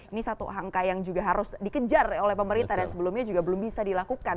ini satu angka yang juga harus dikejar oleh pemerintah dan sebelumnya juga belum bisa dilakukan